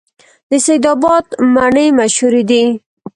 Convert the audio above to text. د سید اباد مڼې مشهورې دي